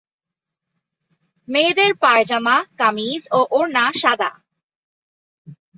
মেয়েদের পায়জামা, কামিজ ও ওড়না সাদা।